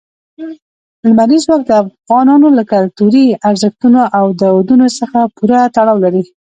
لمریز ځواک د افغانانو له کلتوري ارزښتونو او دودونو سره پوره تړاو لري.